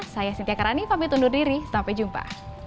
saya sintia karani pamit undur diri sampai jumpa